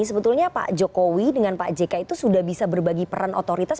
sebetulnya pak jokowi dengan pak jk itu sudah bisa berbagi peran otoritas